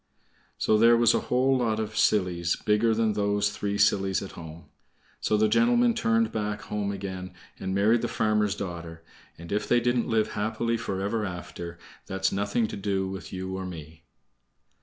So there was a whole lot of sillies bigger than those three sillies at home. So the gentleman turned back home again and married the farmer's daughter, and if they didn't live happy forever after, that's nothing to do with you or me.